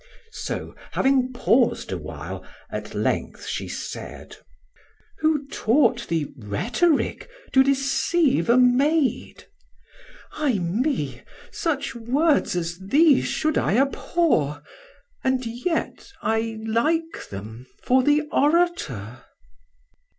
So having paus'd a while, at last she said, "Who taught thee rhetoric to deceive a maid? Ay me! such words as these should I abhor, And yet I like them for the orator."